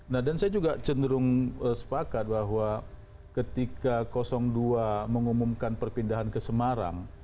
nah dan saya juga cenderung sepakat bahwa ketika dua mengumumkan perpindahan ke semarang